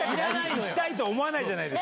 行きたいと思わないじゃないですか。